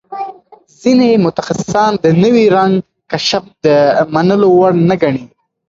ځینې متخصصان د نوي رنګ کشف د منلو وړ نه ګڼي.